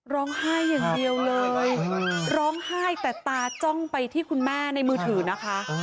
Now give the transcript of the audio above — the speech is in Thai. ร้องไห้อย่างเดียวเลยร้องไห้แต่ตาจ้องไปที่คุณแม่ในมือถือนะคะ